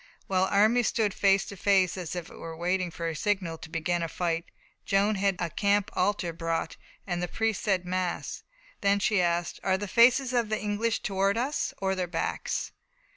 While the armies stood face to face, as it were waiting for a signal to begin to fight, Joan had a camp altar brought, and the priests said mass. Then she asked: "Are the faces of the English towards us, or their backs?"